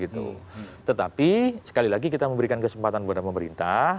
tetapi sekali lagi kita memberikan kesempatan kepada pemerintah